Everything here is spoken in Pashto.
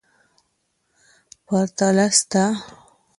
پرتله سته.